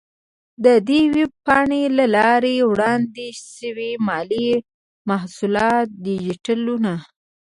د دې ویب پاڼې له لارې وړاندې شوي مالي محصولات ډیجیټلونه،